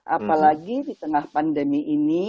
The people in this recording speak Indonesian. apalagi di tengah pandemi ini